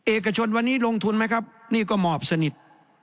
เอกชนวันนี้ลงทุนไหมครับนี่ก็หมอบสนิท